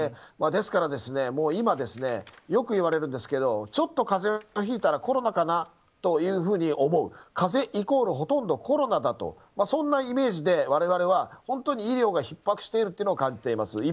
ですから、もう今よくいわれるんですけどちょっと風邪をひいたらコロナかなというふうに思う風邪イコールほとんどコロナだとそんなイメージで我々は本当に医療がひっ迫していると感じています。